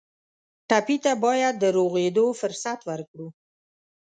ټپي ته باید د روغېدو فرصت ورکړو.